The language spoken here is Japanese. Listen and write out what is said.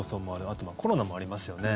あと、コロナもありますよね。